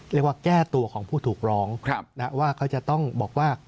เรียกว่าแก้ตัวของผู้ถูกร้องว่าเขาจะต้องบอกว่า